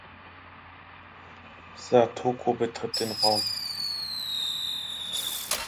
Satoko betritt den Raum.